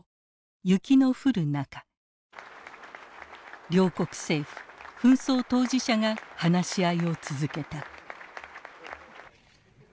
雪の降る中両国政府紛争当事者が話し合いを続けた。